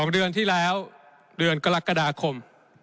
เดือนที่แล้วเดือนกรกฎาคม